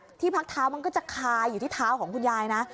ที่พักเท้ามันก็จะคาอยู่ที่เท้าของคุณยายนะ